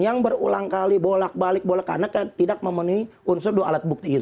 yang berulang kali bolak balik bola karena tidak memenuhi unsur dua alat bukti itu